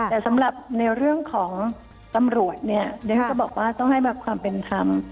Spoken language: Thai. แต่สำหรับในเรื่องของตำรวจบอกว่าต้องให้พวกมันเป็นคำ